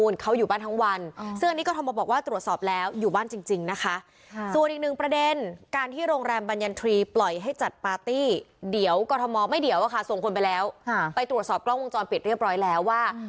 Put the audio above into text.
ส่วนคนไปแล้วไปตรวจสอบกล้องวงจรปิดเรียบร้อยแล้วว่า